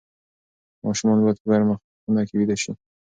ماشومان باید په ګرمه خونه کې ویده شي.